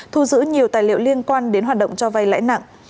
thu giữ nhiều tài liệu liên quan đến hoạt động cho vay lãi nặng